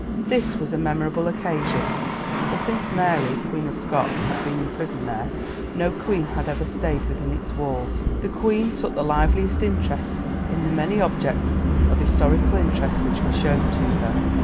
This was a memorable occasion, for since Mary, Queen of Scots, had been imprisoned there, no queen had ever stayed within its walls. The Queen took the liveliest interest in the many objects of historical interest which were shown to her.